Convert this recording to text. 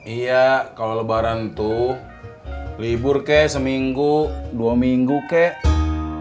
iya kalau lebaran tuh libur kek seminggu dua minggu kek